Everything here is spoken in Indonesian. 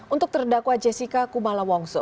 untuk terdakwa jessica kumala wongso